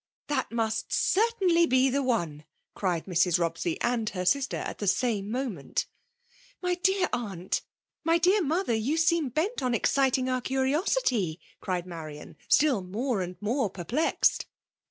*'" That must certainly be the one !'' cried Mrs. Bobsey and her sister, at the same moment '•^My dear aunt^ — my dear mother, you seem bent on efxciting onr curiosity !*' cried Marian^ ^tfll more and more perplexed.